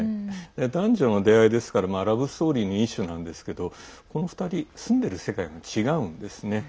男女の出会いですからラブストーリーの一種なんですがこの２人住んでる世界が違うんですね。